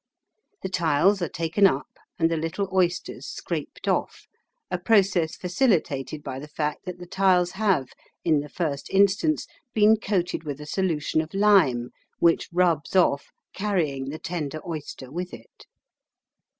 The tiles are taken up and the little oysters scraped off, a process facilitated by the fact that the tiles have in the first instance been coated with a solution of lime, which rubs off, carrying the tender oyster with it.